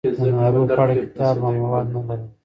د نارو په اړه کتاب او مواد نه لرم.